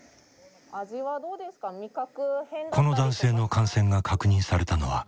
この男性の感染が確認されたのは５月末。